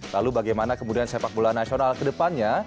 lalu bagaimana kemudian sepak bola nasional kedepannya